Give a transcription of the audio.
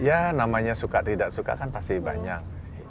ya namanya suka tidak suka kan pasti banyak